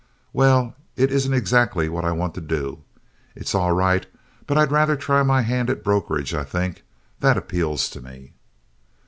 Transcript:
"Well, it isn't exactly what I want to do. It's all right, but I'd rather try my hand at brokerage, I think. That appeals to me."